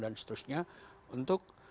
dan seterusnya untuk